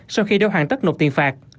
sau khi đều hoàn tất nộp tiền phạt